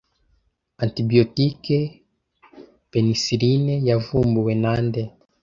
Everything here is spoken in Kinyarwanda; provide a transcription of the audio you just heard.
Antibiyotike penisiline yavumbuwe nande